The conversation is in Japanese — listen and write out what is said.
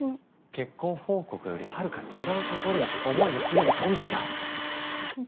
結婚報告よりはるか違うところに思いがすでに飛んでいた飛んだ？